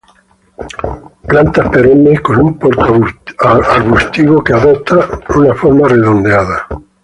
Son plantas perennes con un porte arbustivo, que adoptan una forma redondeada.